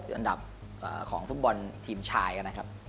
อันดับของฟุตบอลทีมชายนะครับ